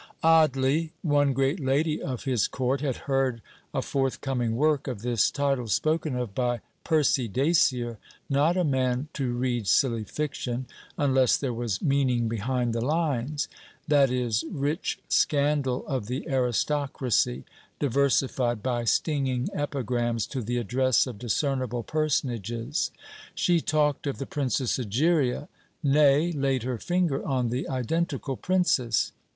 Oddly, one great lady of his Court had heard a forthcoming work of this title spoken of by Percy Dacier, not a man to read silly fiction, unless there was meaning behind the lines: that is, rich scandal of the aristocracy, diversified by stinging epigrams to the address of discernible personages. She talked of THE PRINCESS EGERIA: nay, laid her finger on the identical Princess.